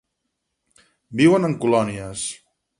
Viuen en colònies.